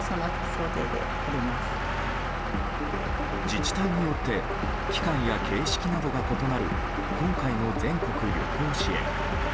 自治体によって期間や形式などが異なる今回の全国旅行支援。